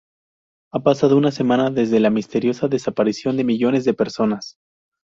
Ha pasado una semana desde la misteriosa desaparición de millones de personas.